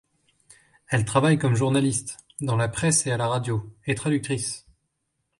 Elle travaille comme journaliste, dans la presse et à la radio, et traductrice.